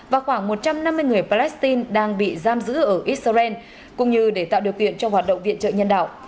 và khoảng một trăm năm mươi người palestine đang bị giam giữ ở israel cũng như để tạo điều kiện cho hoạt động viện trợ nhân đạo